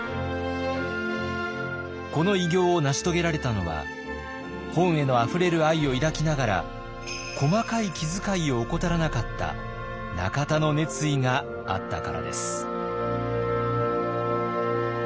この偉業を成し遂げられたのは本へのあふれる愛を抱きながら細かい気づかいを怠らなかった中田の熱意があったからです。